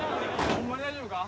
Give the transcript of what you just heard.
・ホンマに大丈夫か？